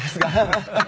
ハハハハ！